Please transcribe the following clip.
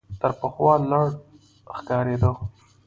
تر پخوا لوړ ښکارېده .